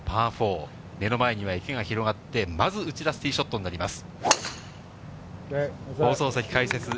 ４０５ヤードのパー４、目の前には池が広がって、まず打ち出すティーショットになります。